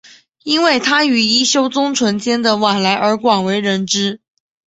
因为他与一休宗纯间的往来而广为人知。